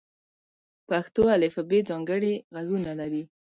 پښتو الفبې ځانګړي غږونه لري.